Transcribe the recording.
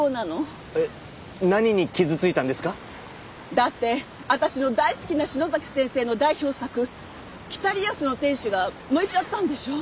だって私の大好きな篠崎先生の代表作『北リアスの天使』が燃えちゃったんでしょう？